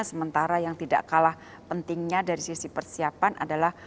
sementara yang tidak kalah pentingnya dari sisi persiapan adalah